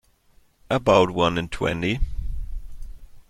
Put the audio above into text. About one in twenty.